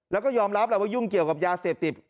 แล้วก็ยอมรับแหละว่ายุ่งเกี่ยวกับยาเสพติด